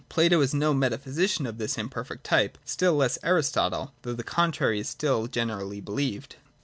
Plato is no metaphysician of this imperfect type, still less Aristotle, although the contrary is generally believed.